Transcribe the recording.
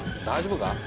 大丈夫か。